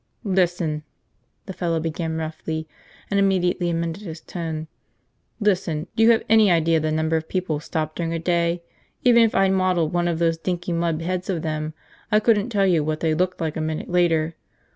"Listen!" the fellow began roughly, and immediately amended his tone. "Listen, do you have any idea the number of people stop during a day? Even if I model one of those dinky mud heads of them, I couldn't tell you what they looked like a minute later.